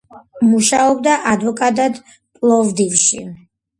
მუშაობდა ადვოკატად პლოვდივში.